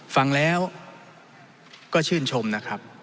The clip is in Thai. ฟังแล้วก็ชื่นชมนะครับ